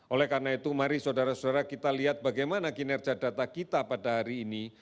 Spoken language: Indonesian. oleh karena itu mari saudara saudara kita lihat bagaimana kinerja data kita pada hari ini